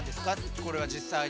これは実際に。